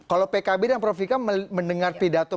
kalau pkb dan prof ikam mendengar pidato